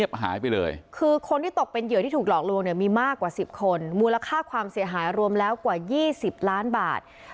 ยังสุขสบายค่ะ